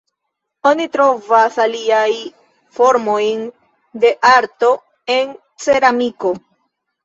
Oni trovas aliaj formojn de arto en ceramiko.